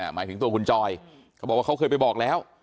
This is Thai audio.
หมายถึงตัวคุณจอยเขาบอกว่าเขาเคยไปบอกแล้ว